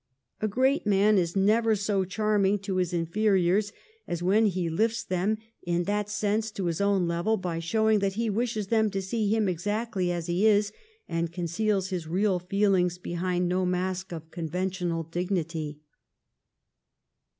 A great man is never so charming to his inferiors as when he lifts them in that sense to his own level by showing that he wishes them to see him exactly as he is, and conceals his real feelings behind no mask of conventional dignity.